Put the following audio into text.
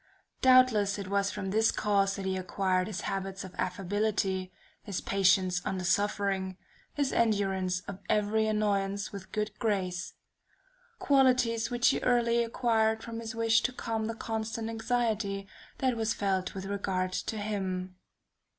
Doubtless it was from this cause that he acquired his habits of affability, his patience under suffering, his endurance of every annoyance with a good grace; qualities which he early acquired from his wish to calm the constant anxiety that was felt with regard to him.